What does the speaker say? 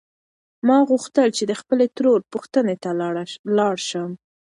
ما غوښتل چې د خپلې ترور پوښتنې ته لاړ شم.